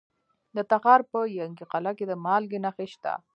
د تخار په ینګي قلعه کې د مالګې نښې شته.